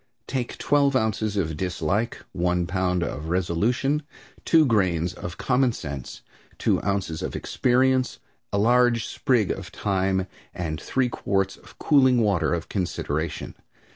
Take twelve ounces of dislike, one pound of resolution, two grains of common sense, two ounces of experience, a large sprig of time, and three quarts of cooling water of consideration.